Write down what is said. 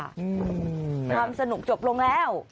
ความสนุกจบลงแล้ว